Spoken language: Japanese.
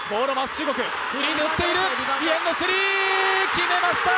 決めました！